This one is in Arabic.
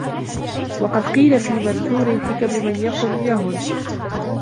وَقَدْ قِيلَ فِي مَنْثُورِ الْحِكَمِ مَنْ يَخُنْ يَهُنْ